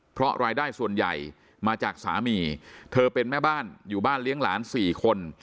เพราะรายได้ส่วนใหญ่มาจากสามีเธอเป็นแม่บ้านอยู่บ้านเลี้ยงหลาน๔คน